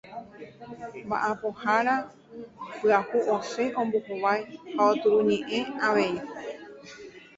Mba'apohára pyahu osẽ ombohovái ha oturuñe'ẽ avei.